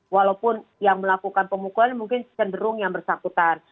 walaupun yang melakukan pemukulan mungkin cenderung yang bersangkutan